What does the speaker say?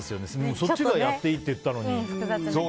そっちがやっていいって言ったのに。